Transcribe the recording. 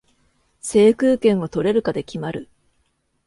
制空権を取れるかで決まる